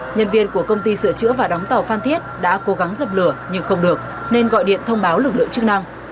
nhân viên của công ty sửa chữa và đóng tàu phan thiết đã cố gắng dập lửa nhưng không được nên gọi điện thông báo lực lượng chức năng